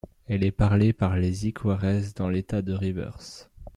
Elle est parlée par les Ikweres dans l’État de Rivers.